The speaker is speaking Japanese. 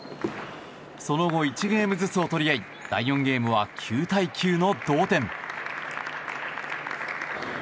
その後、１ゲームずつを取り合い第４ゲームは９対９の同点。